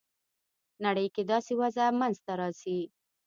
نړۍ کې داسې وضع منځته راسي.